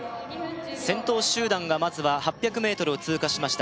先頭集団がまずは８００ｍを通過しました